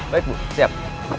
baik bu siap